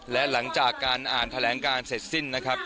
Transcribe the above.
และหลังจากการอ่านแถลงการเสร็จสิ้นนะครับ